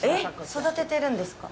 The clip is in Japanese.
育ててるんですか？